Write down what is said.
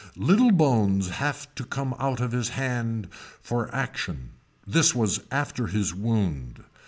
Little bones have to come out of his hand for action this was after his wound.